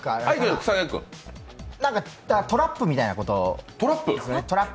トラップみたいなこと？